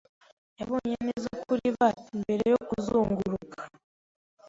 Yabonye neza kuri bat mbere yo kuzunguruka.